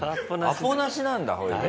アポなしなんだそれで。